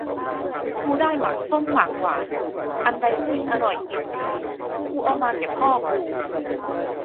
กูได้หมากส้มหมากหวาน อันใดกินอร่อยกินดี กูเอามาแก่พ่อกู